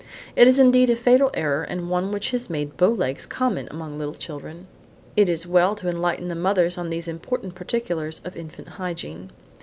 It is indeed a fatal error and one which has made bow legs common among little children. It is well to enlighten the mothers on these important particulars of infant hygiene.